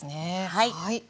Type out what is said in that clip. はい。